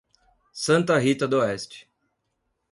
Santa Rita d'Oeste